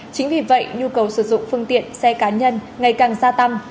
chính vì vậy nhu cầu sử dụng phương tiện xe cá nhân ngày càng gia tăng